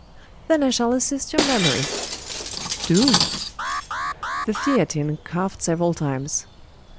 "Then I shall assist your memory." "Do." The Theatin coughed several times.